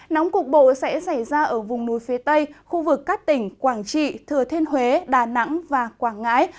nóng cục bộ sẽ xảy ra ở vùng núi phía tây khu vực các tỉnh quảng trị thừa thiên huế đà nẵng và quảng ngãi